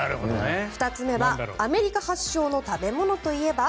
２つ目はアメリカ発祥の食べ物といえば。